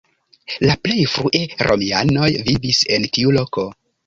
La plej frue romianoj vivis en tiu loko.